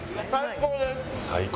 「最高」。